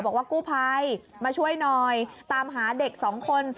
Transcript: บอกว่ากู้ภัยมาช่วยหน่อยตามหาเด็กสองคน